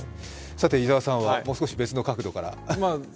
伊沢さんは、もう少し別の角度から。